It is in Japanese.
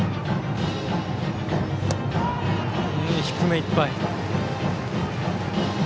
低めいっぱい。